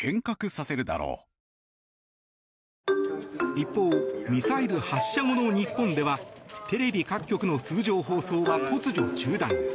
一方ミサイル発射後の日本ではテレビ各局の通常放送は突如中断。